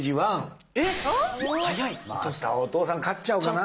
またお父さん勝っちゃおうかな。